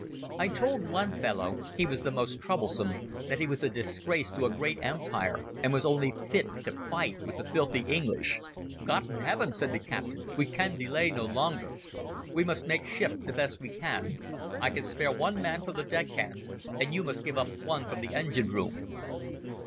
I told one fellow—he was the most troublesome—that he was a disgrace to a great Empire, and was only fit to fight with the filthy English. "God in Heaven!" said the captain, "we can delay no longer. We must make shift the best we can. I can spare one man from the deck hands, and you must give up one from the engine room."